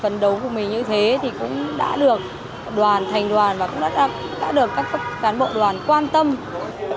phấn đấu của mình như thế thì cũng đã được đoàn thành đoàn và cũng đã được các cán bộ đoàn quan tâm